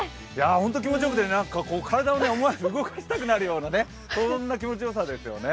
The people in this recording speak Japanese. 本当に気持ちよくて体を思わず思わず動かしたくなるようなそんな気持ちよさですね。